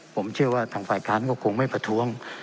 ผมเชื่อว่าทางฝ่ายค้านก็คงไม่ประท้วง